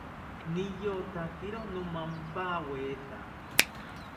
Niyotakiro nomampaweta